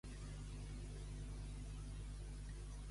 Pegar un maco.